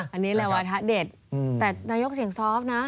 อันนี้เลยวาทะเด็ดแต่นายกเสียงซอฟต์นะ